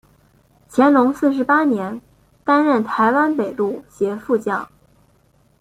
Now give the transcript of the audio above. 乾隆四十八年担任台湾北路协副将。